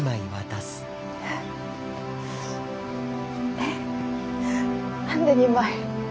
え何で２枚？